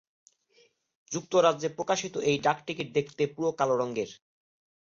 যুক্তরাজ্যে প্রকাশিত এই ডাকটিকিট দেখতে পুরো কালো রঙের।